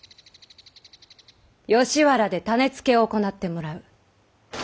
吉原で種付けを行ってもらう。